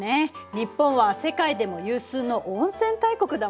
日本は世界でも有数の温泉大国だもんね。